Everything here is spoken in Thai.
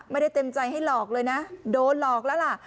เต็มใจให้หลอกเลยนะโดนหลอกแล้วล่ะ